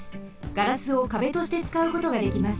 ガラスを壁としてつかうことができます。